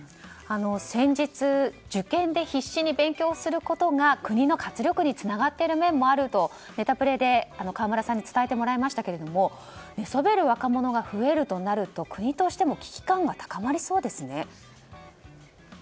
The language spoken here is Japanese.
先日、受験で必死に勉強することが国の活力につながっている面もあるとネタプレで河村さんに伝えてもらいましたけれども寝そべる若者が増えるとなると国としても危機感が高まりそうですね。